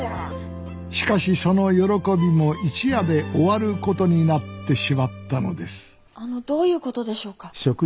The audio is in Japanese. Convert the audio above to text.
しかしその喜びも一夜で終わることになってしまったのですあのどういうことでしょうか。